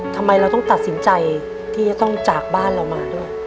ทำไมเราต้องตัดสินใจที่จะต้องจากบ้านเรามาด้วย